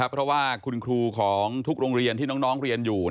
เพราะว่าคุณครูของทุกโรงเรียนที่น้องเรียนอยู่